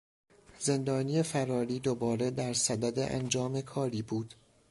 زندانی فراری دوباره درصدد انجام کاریبود.